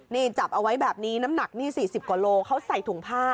นี่จับเอาไว้แบบนี้น้ำหนักนี่๔๐กว่าโลเขาใส่ถุงผ้า